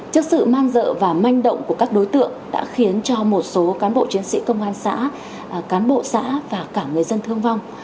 trước sự man dợ và manh động của các đối tượng đã khiến cho một số cán bộ chiến sĩ công an xã cán bộ xã và cả người dân thương vong